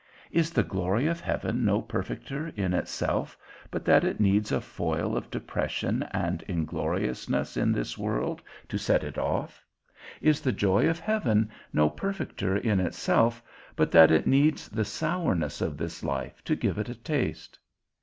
Is the glory of heaven no perfecter in itself, but that it needs a foil of depression and ingloriousness in this world, to set it off? Is the joy of heaven no perfecter in itself, but that it needs the sourness of this life to give it a taste?